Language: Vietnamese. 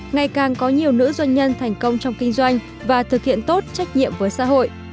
ngày càng có nhiều nữ doanh nhân thành công trong kinh doanh và thực hiện tốt trách nhiệm với xã hội